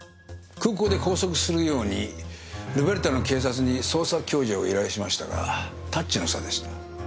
空港で拘束するようにルベルタの警察に捜査共助を依頼しましたがタッチの差でした。